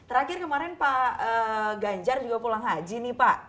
terakhir kemarin pak ganjar juga pulang haji nih pak